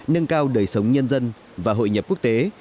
nâng cao đời sống nhân dân và hội nhập quốc tế